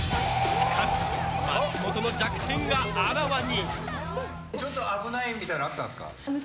しかし、松本の弱点があらわに。